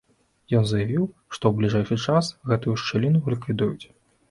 Ён заявіў, што ў бліжэйшы час гэтую шчыліну ліквідуюць.